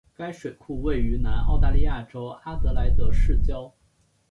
该水库位于南澳大利亚州阿德莱德市郊。